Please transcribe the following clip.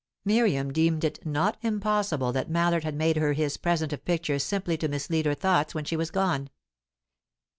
Miriam deemed it not impossible that Mallard had made her his present of pictures simply to mislead her thought when she was gone.